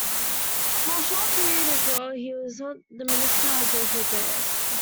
For a short period as well he was the Minister of Social Affairs.